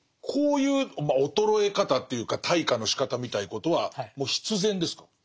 こういうまあ衰え方というか退化のしかたみたいなことはもう必然ですか？